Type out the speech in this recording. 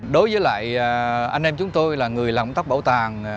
đối với anh em chúng tôi là người làm ứng tác bảo tàng